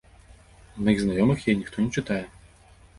З маіх знаёмых яе ніхто не чытае.